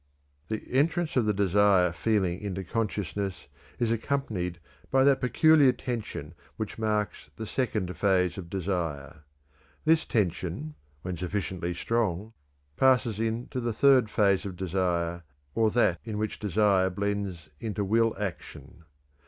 The entrance of the desire feeling into consciousness is accompanied by that peculiar tension which marks the second phase of desire. This tension, when sufficiently strong, passes into the third phase of desire, or that in which desire blends into will action.